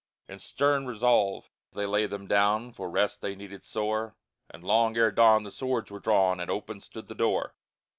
In stern resolve they lay them down, For rest they needed sore, But long ere dawn the swords were drawn And open stood the door.